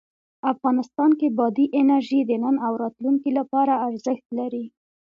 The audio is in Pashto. افغانستان کې بادي انرژي د نن او راتلونکي لپاره ارزښت لري.